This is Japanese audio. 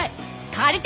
借りた！